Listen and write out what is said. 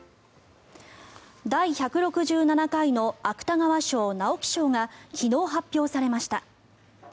第１６７回の芥川賞、直木賞が昨日、発表されました。